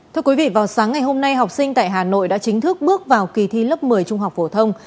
thưa quý vị vào sáng ngày hôm nay học sinh tại hà nội đã chính thức bước vào kỳ thi lớp một mươi trung học phổ thông